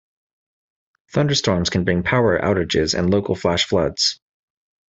Thunderstorms can bring power outages and local flash floods.